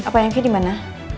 pak yongki di mana